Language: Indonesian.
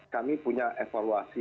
kami punya evaluasi